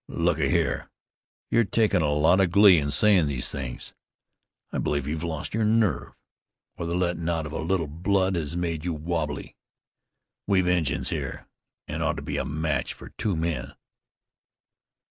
"Look a here. You're takin' a lot of glee in sayin' these things. I believe you've lost your nerve, or the lettin' out of a little blood hes made you wobbly. We've Injuns here, an' ought to be a match fer two men."